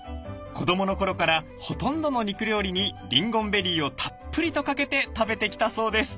子どもの頃からほとんどの肉料理にリンゴンベリーをたっぷりとかけて食べてきたそうです。